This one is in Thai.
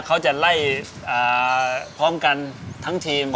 เขาจะไล่พร้อมกันทั้งทีม